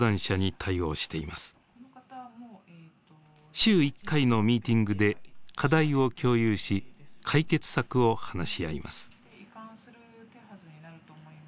週１回のミーティングで課題を共有し解決策を話し合います。